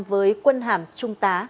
với quân hàm trung tá